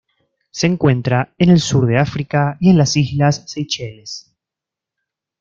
Se encuentra en el sur de África y en las islas Seychelles.